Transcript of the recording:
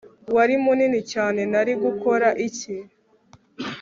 Wari munini cyane Nari gukora iki